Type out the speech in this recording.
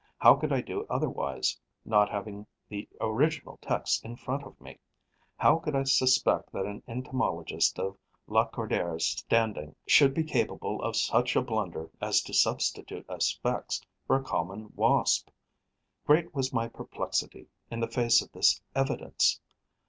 How could I do otherwise, not having the original text in front of me? How could I suspect that an entomologist of Lacordaire's standing should be capable of such a blunder as to substitute a Sphex for a Common Wasp? Great was my perplexity, in the face of this evidence!